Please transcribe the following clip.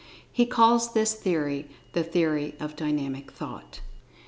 He calls this theory "The Theory of Dynamic Thought."